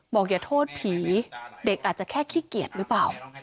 อย่าโทษผีเด็กอาจจะแค่ขี้เกียจหรือเปล่า